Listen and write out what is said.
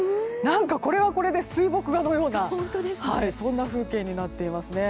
これはこれで水墨画のような風景になっていますね。